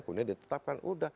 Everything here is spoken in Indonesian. kemudian ditetapkan udah